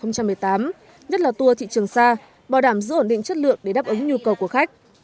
nhất là tour thị trường xa bảo đảm giữ ổn định chất lượng để đáp ứng nhu cầu của khách